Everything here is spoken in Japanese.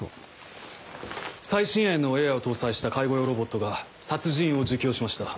最新鋭のＡＩを搭載した介護用ロボットが殺人を自供しました。